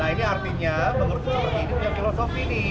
ini artinya menurut saya ini punya filosofi